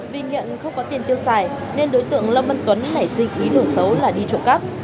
vì nhận không có tiền tiêu xài nên đối tượng lâm văn tuấn nảy sinh ý đồ xấu là đi trộm cắp